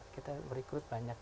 kita merekrut banyak